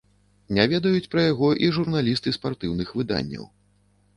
Не ведаюць пра яго і журналісты спартыўных выданняў.